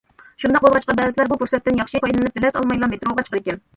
شۇنداق بولغاچقا بەزىلەر بۇ پۇرسەتتىن ياخشى پايدىلىنىپ بېلەت ئالمايلا مېتروغا چىقىدىكەن.